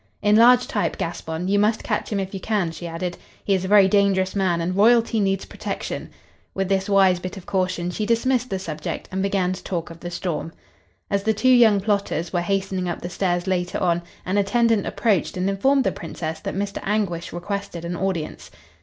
"In large type, Gaspon. You must catch him if you can," she added. "He is a very dangerous man and royalty needs protection." With this wise bit of caution she dismissed the subject and began to talk of the storm. As the two young plotters were hastening up the stairs later on, an attendant approached and informed the Princess that Mr. Anguish requested an audience.